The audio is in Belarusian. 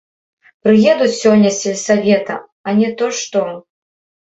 Прыедуць сёння з сельсавета, а не то што.